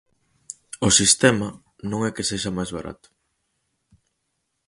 O sistema non é que sexa máis barato.